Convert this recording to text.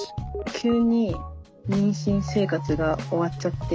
急に妊娠生活が終わっちゃって。